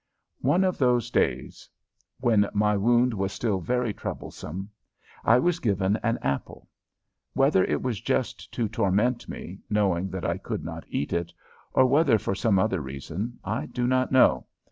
One of those days, while my wound was still very troublesome, I was given an apple; whether it was just to torment me, knowing that I could not eat it, or whether for some other reason, I do not know.